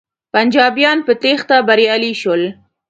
پنجابیان په تیښته بریالی شول.